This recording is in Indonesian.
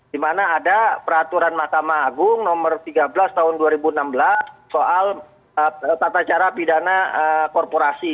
di mana ada peraturan mahkamah agung nomor tiga belas tahun dua ribu enam belas soal tata cara pidana korporasi